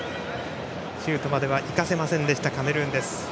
シュートまではいかせませんでしたカメルーン。